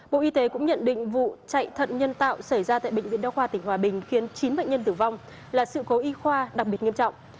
bộ y tế cũng nhận định vụ chạy thận nhân tạo xảy ra tại bệnh viện đa khoa tỉnh hòa bình khiến chín bệnh nhân tử vong là sự cố y khoa đặc biệt nghiêm trọng